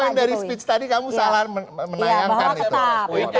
tapi poin dari speech tadi kamu salah menayangkan itu